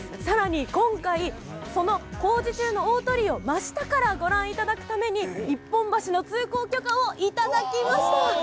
さらに今回、その工事中の大鳥居を真下からご覧いただくために、一本橋の通行許可を頂きました。